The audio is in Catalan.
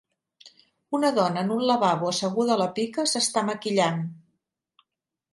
Una dona en un lavabo, asseguda a la pica, s'està maquillant.